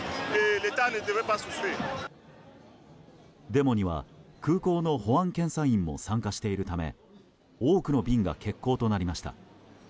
デモには空港の保安検査員も参加しているため多くの便が欠航となりました。